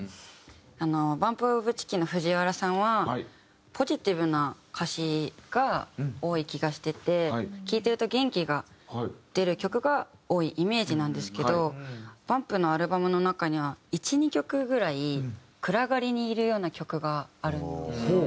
ＢＵＭＰＯＦＣＨＩＣＫＥＮの藤原さんはポジティブな歌詞が多い気がしてて聴いてると元気が出る曲が多いイメージなんですけどバンプのアルバムの中には１２曲ぐらい暗がりにいるような曲があるんですよ。